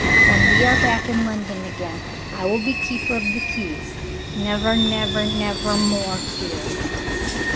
When we are back in London again, I will be Keeper of the Keys. Never, never, never more, here!"